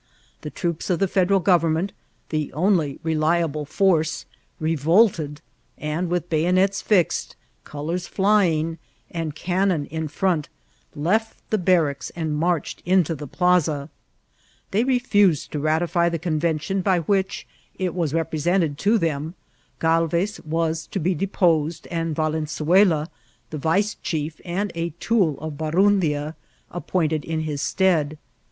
The troops of the Federal govern* ment, the only reliable force, revolted, and with bayo* nets fixed) colours flying, and cannon in front, left the barracks and marched into the plasa. They re&sed to ratify the convention by which, it was represented to them, Galvez was to be deposed, and Valenzuela, the vice^chief^ and a tool of Barundia, appointed in his stead.